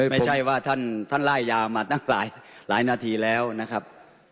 ไม่ใช่ว่าท่านไล่ยาวมาตั้งหลายนาทีแล้วนะครับ